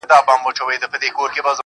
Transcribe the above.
مورې بيا نو ولې ته، ماته توروې سترگي~